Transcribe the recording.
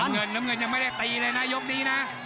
เงินน้ำเงินยังไม่ได้ตีเลยนะยกนี้นะ